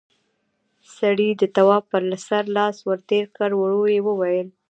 سړي د تواب پر سر لاس ور تېر کړ، ورو يې وويل: